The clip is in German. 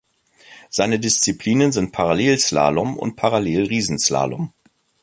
Seine Disziplinen sind Parallelslalom und Parallel-Riesenslalom.